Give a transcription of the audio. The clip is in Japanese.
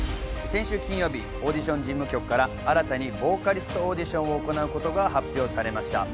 先週金曜日、オーディション事務局から新たにボーカリストオーディションを行うことが発表されました。